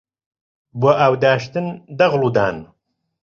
بۆ ئاو داشتن دەغڵ و دان